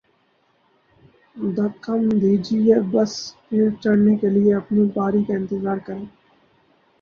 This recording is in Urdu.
دھکا م دیجئے، بس پر چڑھنے کے لئے اپنی باری کا انتظار کریں